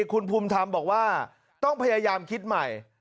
คุณภูมิธรรมบอกว่าต้องพยายามคิดใหม่